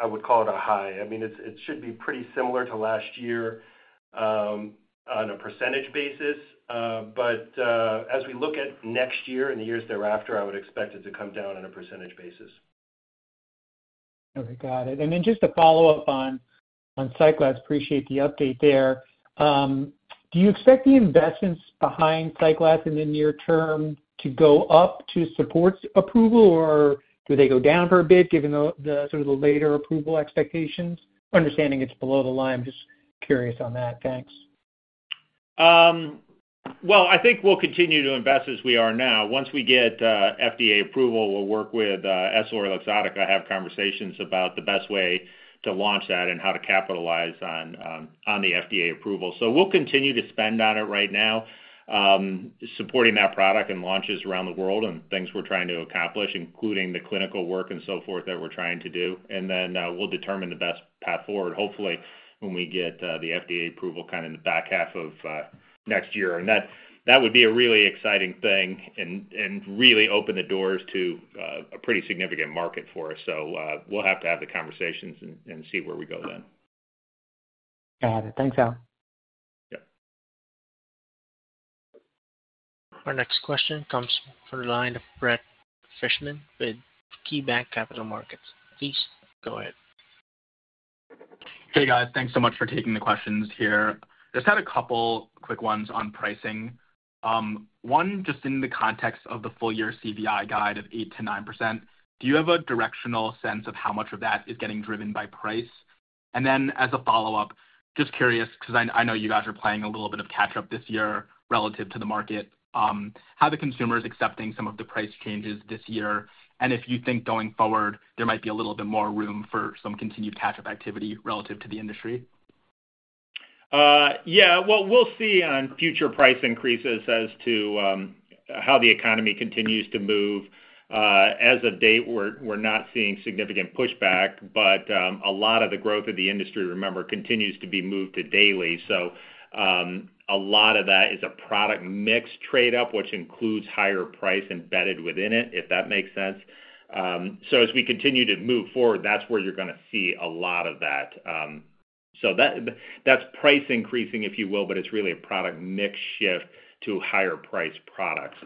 I would call it a high. I mean, it should be pretty similar to last year on a percentage basis. But as we look at next year and the years thereafter, I would expect it to come down on a percentage basis. Okay. Got it. And then just to follow up on SightGlass, appreciate the update there. Do you expect the investments behind SightGlass in the near term to go up to support approval, or do they go down for a bit given sort of the later approval expectations? Understanding it's below the line, I'm just curious on that. Thanks. Well, I think we'll continue to invest as we are now. Once we get FDA approval, we'll work with EssilorLuxottica. I have conversations about the best way to launch that and how to capitalize on the FDA approval. So we'll continue to spend on it right now, supporting that product and launches around the world and things we're trying to accomplish, including the clinical work and so forth that we're trying to do. And then we'll determine the best path forward, hopefully, when we get the FDA approval kind of in the back half of next year. And that would be a really exciting thing and really open the doors to a pretty significant market for us. So we'll have to have the conversations and see where we go then. Got it. Thanks, Al. Yep. Our next question comes from the line of Brett Fishbin with KeyBanc Capital Markets. Please go ahead. Hey, guys. Thanks so much for taking the questions here. Just had a couple quick ones on pricing. One, just in the context of the full-year CVI guide of 8%-9%, do you have a directional sense of how much of that is getting driven by price? And then as a follow-up, just curious because I know you guys are playing a little bit of catch-up this year relative to the market, how the consumer is accepting some of the price changes this year, and if you think going forward, there might be a little bit more room for some continued catch-up activity relative to the industry? Yeah. Well, we'll see on future price increases as to how the economy continues to move. As of date, we're not seeing significant pushback, but a lot of the growth of the industry, remember, continues to be moved to daily. So a lot of that is a product-mix trade-up, which includes higher price embedded within it, if that makes sense. So as we continue to move forward, that's where you're going to see a lot of that. So that's price increasing, if you will, but it's really a product-mix shift to higher-priced products.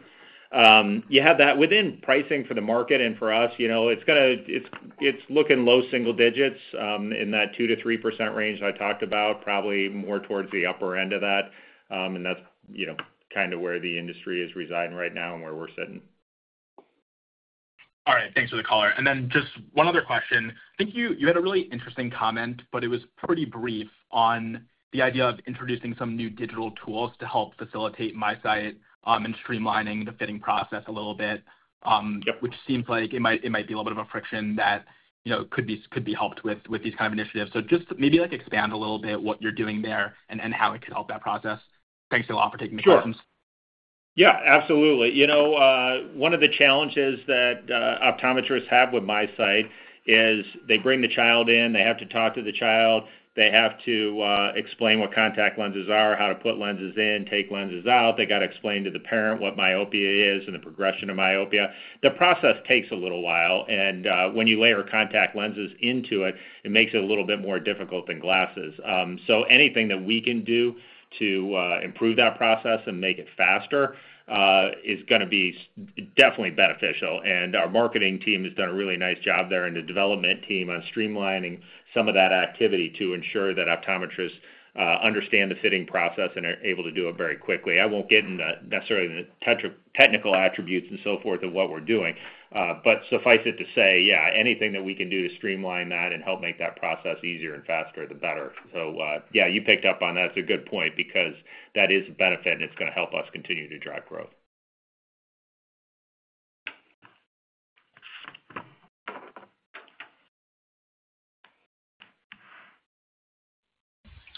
You have that within pricing for the market and for us. It's looking low single digits in that 2%-3% range I talked about, probably more towards the upper end of that. And that's kind of where the industry is residing right now and where we're sitting. All right. Thanks for the caller. And then just one other question. I think you had a really interesting comment, but it was pretty brief, on the idea of introducing some new digital tools to help facilitate MiSight and streamlining the fitting process a little bit, which seems like it might be a little bit of a friction that could be helped with these kind of initiatives. So just maybe expand a little bit what you're doing there and how it could help that process. Thanks a lot for taking the questions. Sure. Yeah. Absolutely. One of the challenges that optometrists have with MiSight is they bring the child in. They have to talk to the child. They have to explain what contact lenses are, how to put lenses in, take lenses out. They got to explain to the parent what myopia is and the progression of myopia. The process takes a little while. And when you layer contact lenses into it, it makes it a little bit more difficult than glasses. So anything that we can do to improve that process and make it faster is going to be definitely beneficial. And our marketing team has done a really nice job there and the development team on streamlining some of that activity to ensure that optometrists understand the fitting process and are able to do it very quickly. I won't get into necessarily the technical attributes and so forth of what we're doing. But suffice it to say, yeah, anything that we can do to streamline that and help make that process easier and faster, the better. So yeah, you picked up on that. It's a good point because that is a benefit, and it's going to help us continue to drive growth.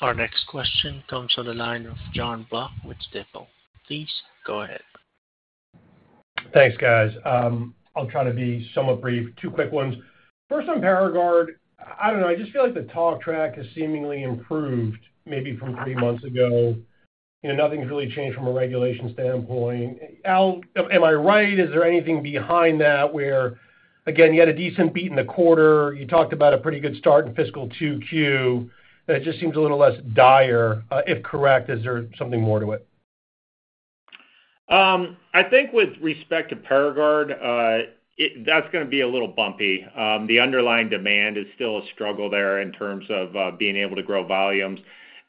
Our next question comes from the line of Jonathan Block with Stifel. Please go ahead. Thanks, guys. I'll try to be somewhat brief. Two quick ones. First, on Paragard, I don't know. I just feel like the talk track has seemingly improved maybe from three months ago. Nothing's really changed from a regulation standpoint. Al, am I right? Is there anything behind that where, again, you had a decent beat in the quarter? You talked about a pretty good start in fiscal 2Q. It just seems a little less dire, if correct. Is there something more to it? I think with respect to Paragard, that's going to be a little bumpy. The underlying demand is still a struggle there in terms of being able to grow volumes.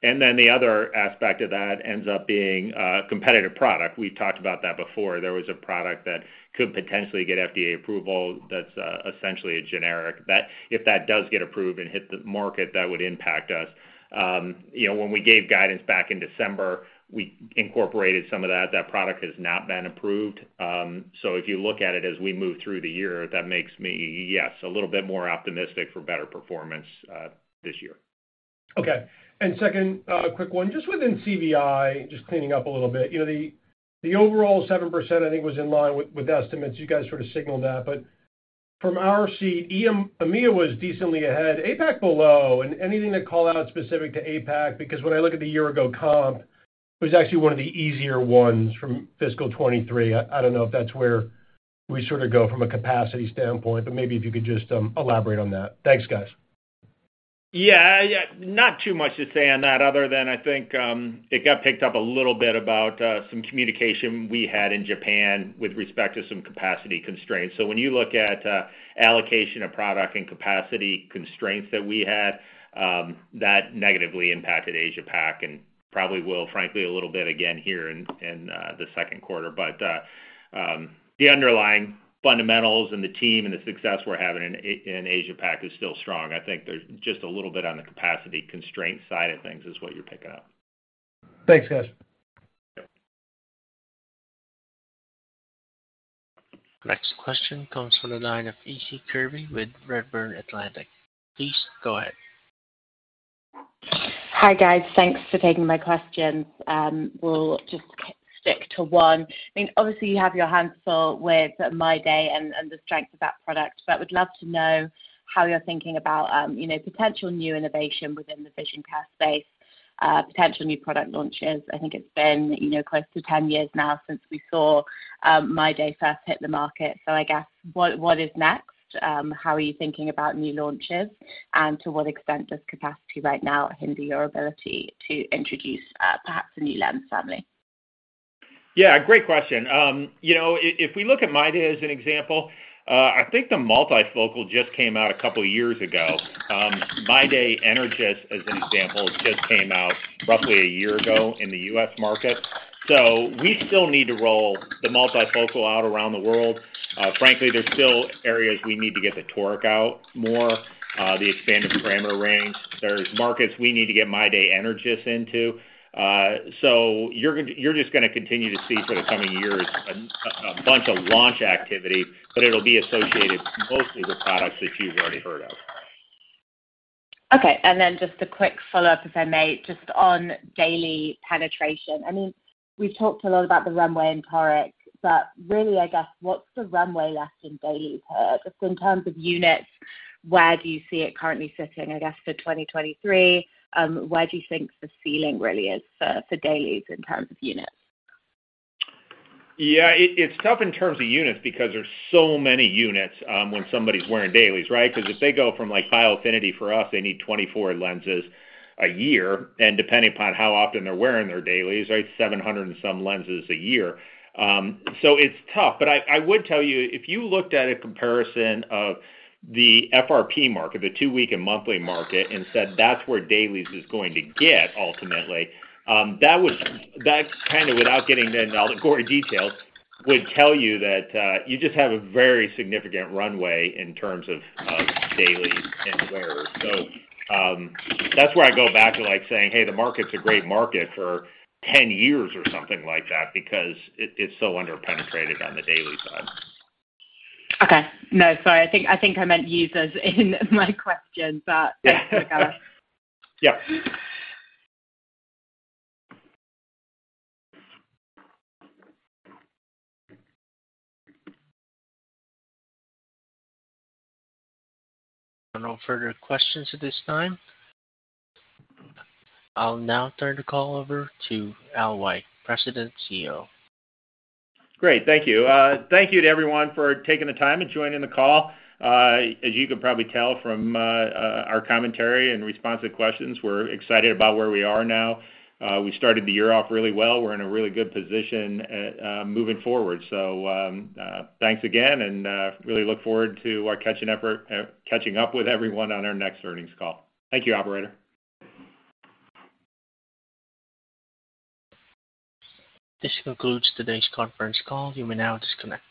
And then the other aspect of that ends up being competitive product. We've talked about that before. There was a product that could potentially get FDA approval that's essentially a generic. If that does get approved and hit the market, that would impact us. When we gave guidance back in December, we incorporated some of that. That product has not been approved. So if you look at it as we move through the year, that makes me, yes, a little bit more optimistic for better performance this year. Okay. And second quick one, just within CVI, just cleaning up a little bit. The overall 7%, I think, was in line with estimates. You guys sort of signaled that. But from our seat, EMEA was decently ahead, APAC below. And anything to call out specific to APAC? Because when I look at the year-ago comp, it was actually one of the easier ones from fiscal 2023. I don't know if that's where we sort of go from a capacity standpoint, but maybe if you could just elaborate on that. Thanks, guys. Yeah. Not too much to say on that other than, I think, it got picked up a little bit about some communication we had in Japan with respect to some capacity constraints. So when you look at allocation of product and capacity constraints that we had, that negatively impacted Asia-Pac and probably will, frankly, a little bit again here in the second quarter. But the underlying fundamentals and the team and the success we're having in Asia-Pac is still strong. I think there's just a little bit on the capacity constraint side of things is what you're picking up. Thanks, guys. Yep. Next question comes from the line of Issie Kirby with Redburn Atlantic. Please go ahead. Hi, guys. Thanks for taking my questions. We'll just stick to one. I mean, obviously, you have your hands full with MyDay and the strength of that product, but I would love to know how you're thinking about potential new innovation within the Vision Care space, potential new product launches. I think it's been close to 10 years now since we saw MyDay first hit the market. So I guess what is next? How are you thinking about new launches? And to what extent does capacity right now hinder your ability to introduce perhaps a new lens family? Yeah. Great question. If we look at MyDay as an example, I think the multifocal just came out a couple of years ago. MyDay Energys, as an example, just came out roughly a year ago in the U.S. market. So we still need to roll the multifocal out around the world. Frankly, there's still areas we need to get the toric out more, the expanded parameter range. There's markets we need to get MyDay Energys into. So you're just going to continue to see for the coming years a bunch of launch activity, but it'll be associated mostly with products that you've already heard of. Okay. And then just a quick follow-up, if I may, just on daily penetration. I mean, we've talked a lot about the runway and toric, but really, I guess, what's the runway left in dailies here? Just in terms of units, where do you see it currently sitting, I guess, for 2023? Where do you think the ceiling really is for dailies in terms of units? Yeah. It's tough in terms of units because there's so many units when somebody's wearing dailies, right? Because if they go from Biofinity for us, they need 24 lenses a year. And depending upon how often they're wearing their dailies, right, 700 and some lenses a year. So it's tough. But I would tell you, if you looked at a comparison of the FRP market, the two-week and monthly market, and said that's where dailies is going to get ultimately, that kind of, without getting into all the gory details, would tell you that you just have a very significant runway in terms of dailies and wearers. So that's where I go back to saying, "Hey, the market's a great market for 10 years or something like that because it's so under-penetrated on the daily side. Okay. No, sorry. I think I meant users in my question, but thanks for going. Yep. No further questions at this time. I'll now turn the call over to Al White, President CEO. Great. Thank you. Thank you to everyone for taking the time and joining the call. As you can probably tell from our commentary and responsive questions, we're excited about where we are now. We started the year off really well. We're in a really good position moving forward. Thanks again, and really look forward to catching up with everyone on our next earnings call. Thank you, operator. This concludes today's conference call. You may now disconnect.